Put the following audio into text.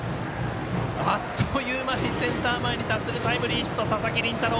あっという間にセンター前に達するタイムリーヒット、佐々木麟太郎